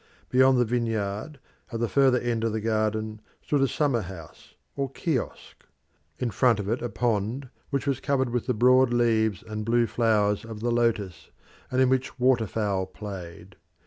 Beyond the vineyard, at the further end of the garden, stood a summer house or kiosk; in front of it a pond which was covered with the broad leaves and blue flowers of the lotus, and in which waterfowl played.